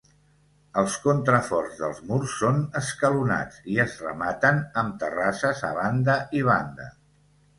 Els contraforts dels murs són escalonats i es rematen amb terrasses a banda i banda.